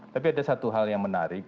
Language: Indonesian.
tapi ada satu hal yang menarik